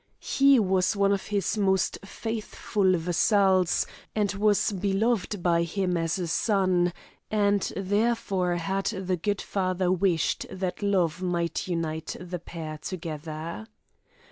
He was one of his most faithful vassals, and was beloved by him as a son, and therefore had the good father wished that love might unite the pair together.